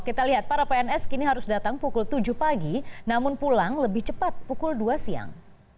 kita lihat para pns kini harus datang pukul tujuh pagi namun pulang lebih cepat pukul dua siang